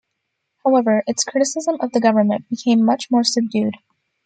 However, its criticism of the government became much more subdued.